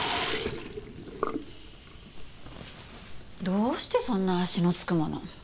どうしてそんな足のつくものを。